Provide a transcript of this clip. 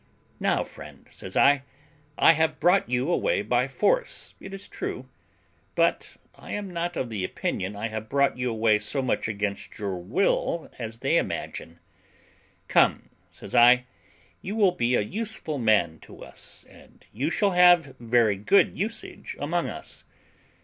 "Now, friend," says I, "I have brought you away by force, it is true, but I am not of the opinion I have brought you away so much against your will as they imagine. Come," says I, "you will be a useful man to us, and you shall have very good usage among us."